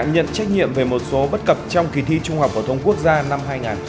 nhận trách nhiệm về một số bất cập trong kỳ thi trung học phổ thông quốc gia năm hai nghìn một mươi tám